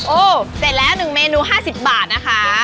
เสร็จแล้ว๑เมนู๕๐บาทนะคะ